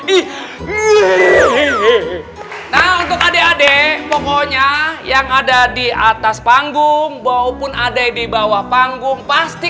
ini nah untuk adek adek pokoknya yang ada di atas panggung maupun ada di bawah panggung pasti